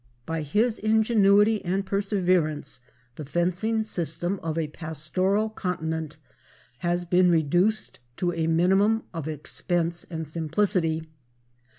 By his ingenuity and perseverance the fencing system of a pastoral continent has been reduced to a minimum of expense and simplicity.